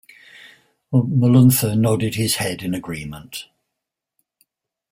Moluntha nodded his head in agreement.